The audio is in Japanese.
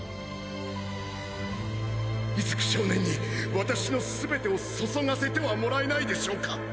出久少年に私の全てを注がせてはもらえないでしょうか！